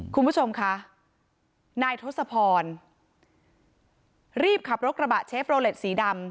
คุณผู้ชมคะนายทศพรรีบขับรถกระบะเชฟโรเล็ตสีดำ